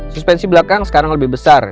suspensi belakang sekarang lebih besar